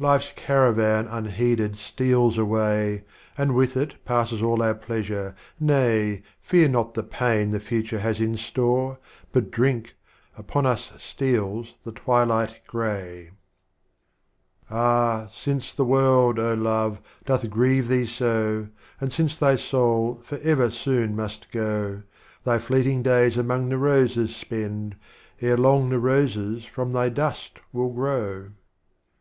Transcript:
Life's Caravan unheeded steals away, And with it passes all our Pleasure, nay, Fear not the Pain the Future has in Store, — But drink, upon us steals the Twilight gray. 32 Strophes of Oma/r Khayydm. Ah, since the World, oh, Love, doth grieve thee so, And since Thy Soul, forever soon must go. Thy Fleeting Days among the Roses spend, Ere long the Roses from Tliy Dust will grow.